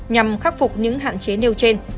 nhằm khắc phục những hạn chế nêu trên